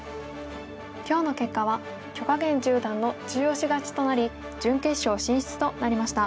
今日の結果は許家元十段の中押し勝ちとなり準決勝進出となりました。